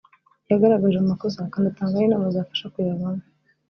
yagaragaje amakosa akanatanga n’inama zafasha kuyavamo